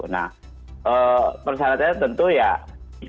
nah persyaratannya tentu ya iklim investasi ya